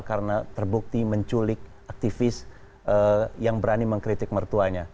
karena terbukti menculik aktivis yang berani mengkritik mertuanya